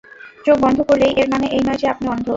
চোখ বন্ধ করলেই এর মানে এই নয় যে আপনি অন্ধ!